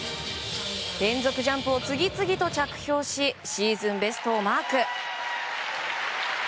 連続ジャンプを次々と着氷しシーズンベストをマーク。